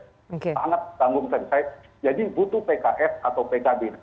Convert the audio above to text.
sangat tanggung saya jadi butuh pkb atau pkb